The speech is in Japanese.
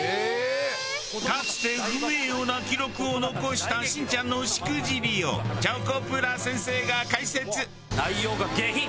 かつて不名誉な記録を残した『しんちゃん』のしくじりをチョコプラ先生が解説！